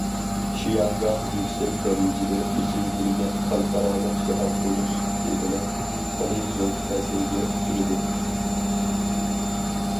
شياڭگاڭ يۈكسەك دەرىجىدە ئېچىۋېتىلگەن خەلقئارالىق شەھەر بولۇش سۈپىتى بىلەن، خېلى زور تەسىرگە ئۇچرىدى.